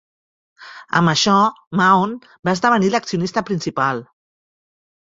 Amb això, Mahon va esdevenir l'accionista principal.